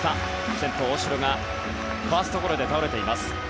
先頭の大城がファーストゴロで倒れました。